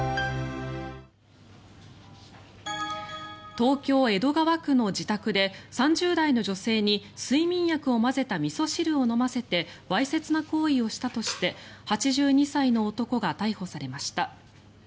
東京・江戸川区の自宅で３０代の女性に睡眠薬を混ぜたみそ汁を飲ませてわいせつな行為をしたとして８２歳の男が逮捕されました。